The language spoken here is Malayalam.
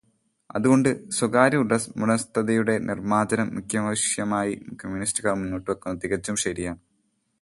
അതുകൊണ്ട്, സ്വകാര്യസ്വത്തുടമസ്ഥതയുടെ നിർമ്മാജ്ജനം മുഖ്യാവശ്യമായി കമ്മ്യൂണിസ്റ്റുകാർ മുന്നോട്ട് വയ്ക്കുന്നത് തികച്ചും ശരിയാണ്.